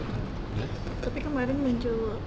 tapi kemarin muncul